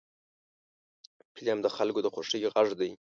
فلم د خلکو د خوښۍ غږ دی